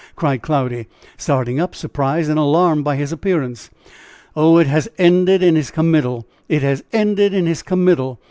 cried Cloudy, starting up, surprised and alarmed by his appearance. "Oh, it has ended in his committal! it has ended in his committal!